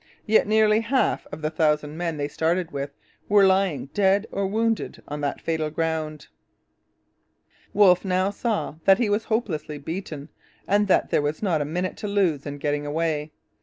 Yet nearly half of the thousand men they started with were lying dead or wounded on that fatal ground. Wolfe now saw that he was hopelessly beaten and that there was not a minute to lose in getting away.